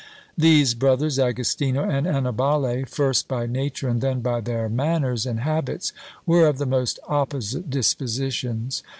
These brothers, Agostiuo and Annibale, first by nature, and then by their manners and habits, were of the most opposite dispositions.